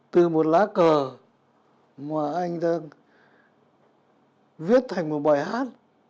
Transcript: từ một lá cờ mà anh đang viết thành một bài hát